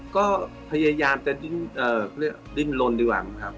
ก็พยายามจะดิ้นลนดีกว่ามั้งครับ